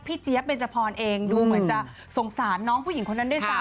เจี๊ยบเบนจพรเองดูเหมือนจะสงสารน้องผู้หญิงคนนั้นด้วยซ้ำ